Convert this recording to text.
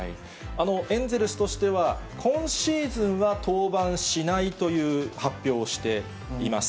エンゼルスとしては、今シーズンは登板しないという発表をしています。